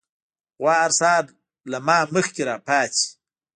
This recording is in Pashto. غوا هر سهار له ما نه مخکې راپاڅي.